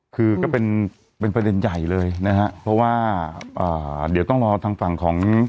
คือก็เป็นเป็นประเด็นใหญ่เลยนะฮะเพราะว่าอ่าเดี๋ยวต้องรอทางฝั่งของ